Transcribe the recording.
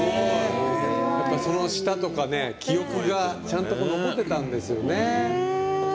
その舌とか記憶がちゃんと残ってたんですね。